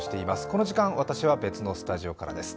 この時間、私は別のスタジオからです。